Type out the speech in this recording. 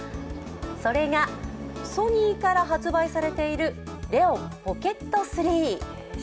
それがソニーから発売されているＲＥＯＮＰＯＣＫＥＴ